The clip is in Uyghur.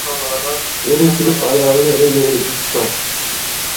ئېرى كېلىپ ئايالىنى ئۆيگە ئېلىپ كېتىپتۇ.